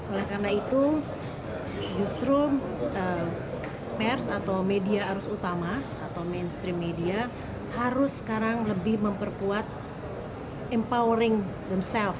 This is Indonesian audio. oleh karena itu justru pers atau media arus utama atau mainstream media harus sekarang lebih memperkuat empowering themself